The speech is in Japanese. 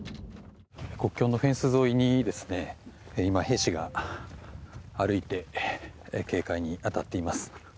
国境のフェンス沿いに今、兵士が歩いて警戒に当たっています。